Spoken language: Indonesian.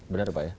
benar pak ya